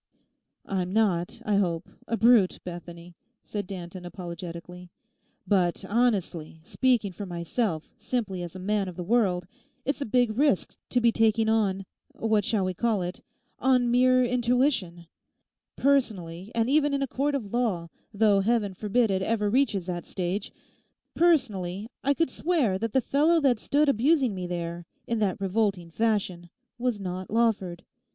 'I'm not, I hope, a brute, Bethany,' said Danton apologetically; 'but, honestly, speaking for myself, simply as a man of the world, it's a big risk to be taking on—what shall we call it?—on mere intuition. Personally, and even in a court of law—though Heaven forbid it ever reaches that stage—personally, I could swear that the fellow that stood abusing me there, in that revolting fashion, was not Lawford.